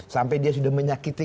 sampai dia sudah menyakiti